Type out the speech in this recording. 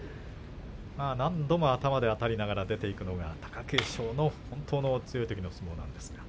何度も頭であたりながら出ていくのが、貴景勝の本当に強いときの相撲です。